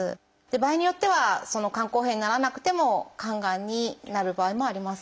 場合によってはその肝硬変にならなくても肝がんになる場合もあります。